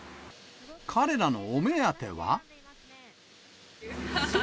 彼らのお目当ては。